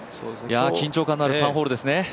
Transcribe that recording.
緊張感のある３ホールですね。